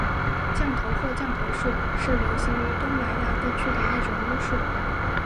降头或降头术是流行于东南亚地区的一种巫术。